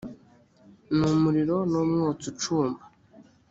n umuriro n umwotsi ucumba